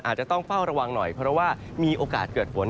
อาจจะต้องเฝ้าระวังหน่อยเพราะว่ามีโอกาสเกิดฝน